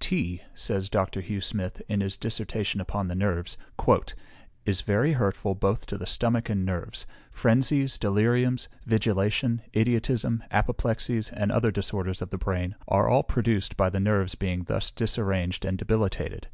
"Tea," says Dr. Hugh Smith, in his Dissertation upon the Nerves, "is very hurtful both to the stomach and nerves. Phrensies, deliriums, vigilation, idiotism, apoplexies, and other disorders of the brain, are all produced by the nerves being thus disarranged and debilitated.